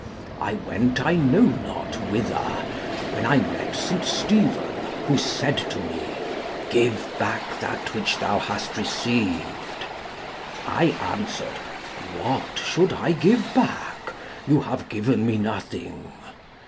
I went I know not whither, when I met St. Stephen, who said to me, 'Give back that which thou hast received.' I answered, 'What should I give back? you have given me nothing.'